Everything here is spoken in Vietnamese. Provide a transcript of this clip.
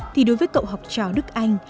thì đối với cậu học trò đức anh